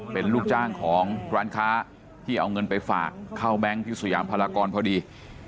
เป็นลูกจ้างของร้านค้าที่เอาเงินไปฝากเข้าแบงค์ที่สยามพลากรพอดี